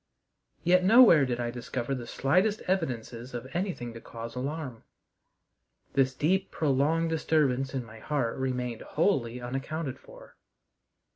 Yet nowhere did I discover the slightest evidences of anything to cause alarm. This deep, prolonged disturbance in my heart remained wholly unaccounted for.